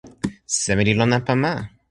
seme li lon anpa ma?